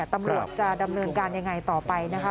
ตำรวจจะดำเนินการยังไงต่อไปนะคะ